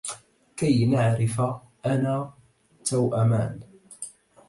كي نعرف أنا توأمان!